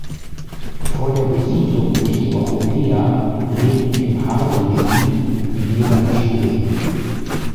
Vor der Besiedlung durch die Europäer lebten im Harden-Gebiet die Wiradjuri.